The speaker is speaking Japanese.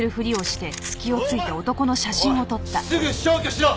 おいすぐ消去しろ！